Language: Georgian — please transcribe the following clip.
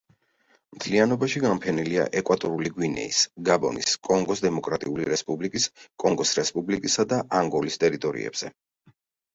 მთლიანობაში განფენილია ეკვატორული გვინეის, გაბონის, კონგოს დემოკრატიული რესპუბლიკის, კონგოს რესპუბლიკისა და ანგოლის ტერიტორიებზე.